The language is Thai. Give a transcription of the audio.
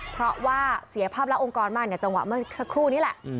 เพราะว่าเสียภาพแล้วองค์กรใหม่เนี่ยจังหวะเมื่อสักครู่นี้แหละ